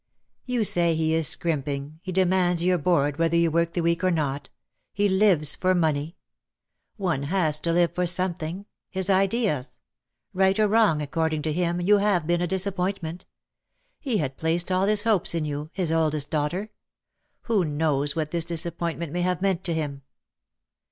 "You say he is scrimping, he demands your board whether you work the week or not; he lives for money. One has to live for something. His ideas? Right or wrong, according to him, you have been a disappoint ment. He had placed all his hopes in you, his oldest daughter. Who knows what this disappointment may have meant to him?"